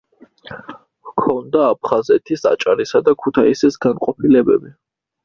ჰქონდა აფხაზეთის, აჭარისა და ქუთაისის განყოფილებები.